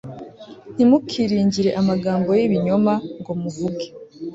Ntimukiringire amagambo y ibinyoma ngo muvuge